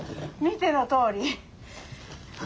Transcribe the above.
見てのとおり。